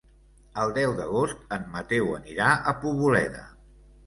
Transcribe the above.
El deu d'agost en Mateu anirà a Poboleda.